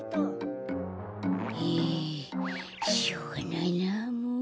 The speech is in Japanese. ええしょうがないなもう。